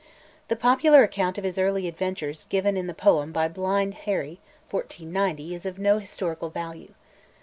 The popular account of his early adventures given in the poem by Blind Harry (1490?) is of no historical value.